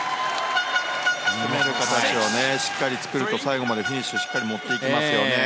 攻める形をしっかり作ると最後までフィニッシュしっかり持っていきますよね。